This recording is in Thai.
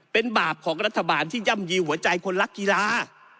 เป็นบาปของรัฐบาลที่ย่ำยีหัวใจคนรักกีฬา